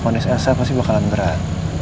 vonis elsa pasti bakalan berat